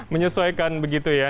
menyesuaikan begitu ya